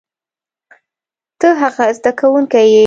ته ښه زده کوونکی یې.